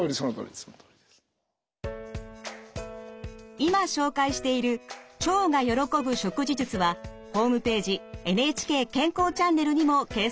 今紹介している腸が喜ぶ食事術はホームページ「ＮＨＫ健康チャンネル」にも掲載しています。